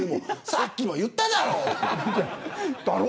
さっきも言っただろって。